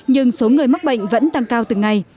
nhưng số người mắc bệnh vẫn tăng cao từng ngày